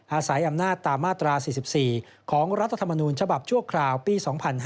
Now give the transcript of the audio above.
อาศัยอำนาจตามมาตรา๔๔ของรัฐธรรมนูญฉบับชั่วคราวปี๒๕๕๙